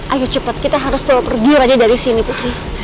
ayo cepat kita harus bawa pergi aja dari sini putri